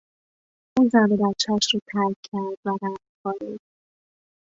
او زن و بچهاش را ترک کرد و رفت خارج.